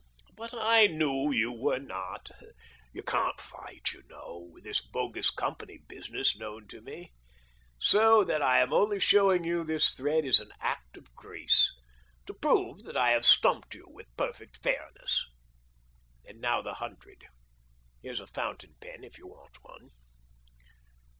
But I knew you were not. You can't fight, you know, with this bogus company business known to me. So that I am only showing you this thread as an act of grace, to prove that I have stumped you with perfect fairness. And now the hundred. Here's a fountain pen, if you want one."